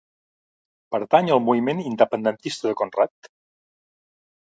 Pertany al moviment independentista el Conrrat?